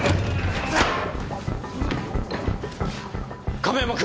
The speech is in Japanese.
亀山君！